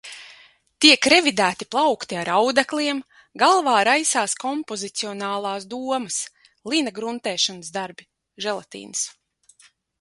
Tiek revidēti plaukti ar audekliem, galvā raisās kompozicionālās domas. Lina gruntēšanas darbi. Želatīns.